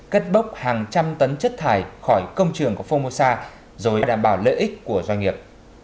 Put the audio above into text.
cất bốc hàng trăm tấn chất thải khỏi công trường của formosa rồi đảm bảo lợi ích của doanh nghiệp